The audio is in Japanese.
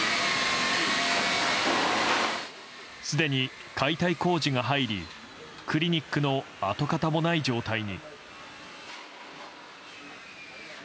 すでに解体工事が入りクリニックの跡形もない状態に。